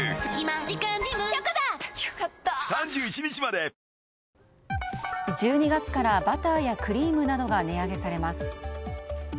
大空あおげ１２月からバターやクリームなどが値上げされます。